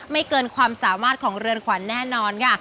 เกินความสามารถของเรือนขวัญแน่นอนค่ะ